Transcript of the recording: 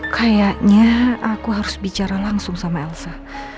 kayaknya aku harus bicara langsung sama elsa